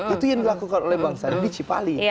itu yang dilakukan oleh bang sandi di cipali